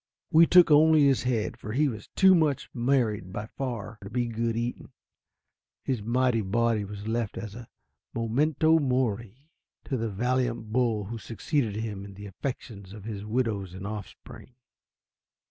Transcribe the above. We took only his head, for he was too much married by far to be good eating. His mighty body was left as a memento mori to the valiant bull who succeeded him in the affections of his widows and offspring.